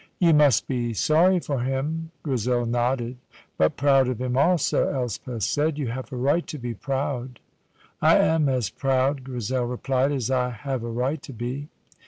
"You must be sorry for him?" Grizel nodded. "But proud of him also," Elspeth said. "You have a right to be proud." "I am as proud," Grizel replied, "as I have a right to be."